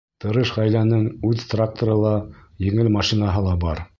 Тырыш ғаиләнең үҙ тракторы ла, еңел машинаһы ла бар.